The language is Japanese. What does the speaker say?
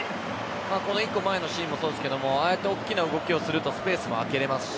一個前のシーンもそうですが大きな動きもするとスペースも空けれるし